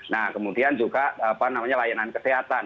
nah kemudian juga apa namanya layanan kesehatan